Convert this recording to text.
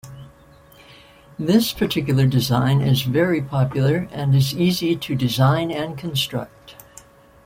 This particular design is very popular and is easy to design and construct.